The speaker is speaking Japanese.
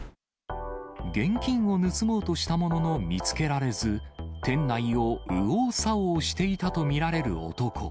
現金を盗もうとしたものの見つけられず、店内を右往左往していたと見られる男。